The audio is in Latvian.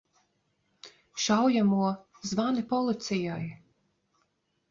Šaujamo! Zvani policijai!